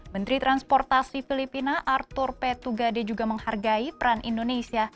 menteri transportasi filipina arthur p tugade juga menghargai peran indonesia